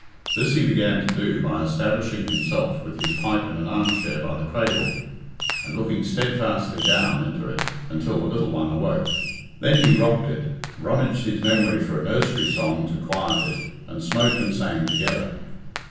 This he began to do by establishing himself with his pipe in an armchair by the cradle, and looking steadfastly down into it until the little one awoke. Then he rocked it, rummaged his memory for a nursery song to quiet it, and smoked and sang together.